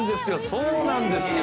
そうなんです。